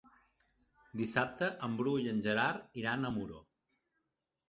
Dissabte en Bru i en Gerard iran a Muro.